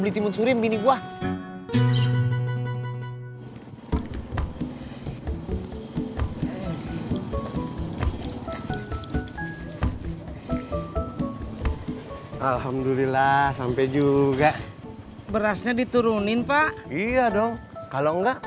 beli timun surim ini gua alhamdulillah sampai juga berasnya diturunin pak iya dong kalau enggak